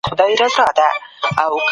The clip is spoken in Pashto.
فریب او ریا د یو عالم لپاره شرم دی.